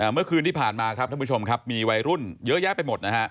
เมื่อคืนที่ผ่านมาครับท่านผู้ชมครับมีวัยรุ่นเยอะแยะไปหมดนะฮะ